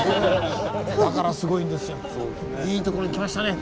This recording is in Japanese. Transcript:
だからすごいんですよいいところに来ましたね。